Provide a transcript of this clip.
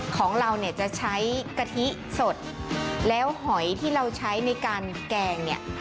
ของเราเนี่ยจะใช้กะทิสดแล้วหอยที่เราใช้ในการแกงเนี่ย